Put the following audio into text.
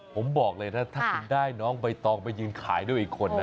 ผมบอกเลยนะถ้าคุณได้น้องใบตองไปยืนขายด้วยอีกคนนะ